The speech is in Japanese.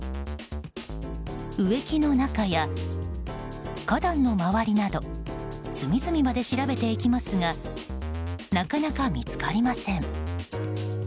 植木の中や花壇の周りなど隅々まで調べていきますがなかなか見つかりません。